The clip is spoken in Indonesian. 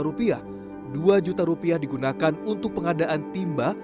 rp dua juta rupiah digunakan untuk pengadaan timba